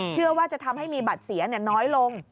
เชื่อว่าจะทำให้มีบัตรเสียน้อยลง